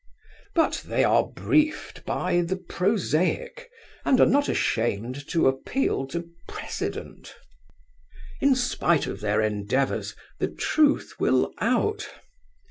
But they are briefed by the prosaic, and are not ashamed to appeal to precedent. In spite of their endeavours, the truth will out.